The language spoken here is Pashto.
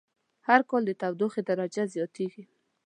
هر کال د تودوخی درجه زیاتیږی